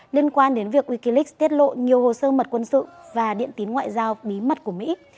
liên quan đến việc wikileaks tiết lộ nhiều hồ sơ mật quân sự và điện tín ngoại giao bí mật của mỹ